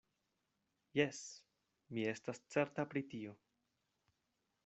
Jes; mi estas certa pri tio.